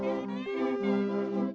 pertama suara dari biasusu